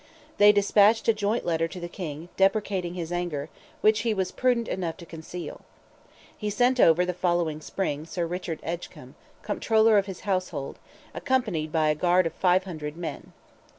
They despatched a joint letter to the King, deprecating his anger, which he was prudent enough to conceal. He sent over, the following spring, Sir Richard Edgecombe, Comptroller of his household, accompanied by a guard of 500 men.